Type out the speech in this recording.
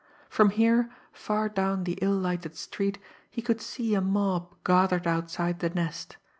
From here, far down the ill lighted street, he could see a mob gathered outside the Nest.